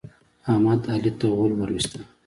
احمد، علي ته غول ور وستل.